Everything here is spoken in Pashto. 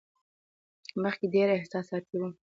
مخکې ډېره احساساتي وم.